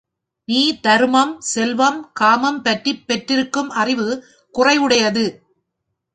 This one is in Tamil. நீ தருமம், செல்வம், காமம் பற்றிப் பெற்றிருக்கும் அறிவு குறையுடையது.